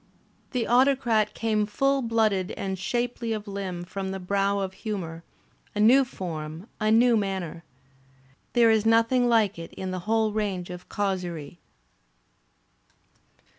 The Autocrat came full blooded and shapely of limb from the brow of humour, a new form, a new manner. There is nothing like it in the whole range of causerie.